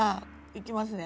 いきますね。